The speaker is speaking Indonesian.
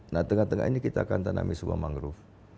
nah tengah tengah ini kita akan tanami sebuah mangrove